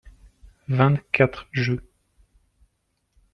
vingt quatre jeux.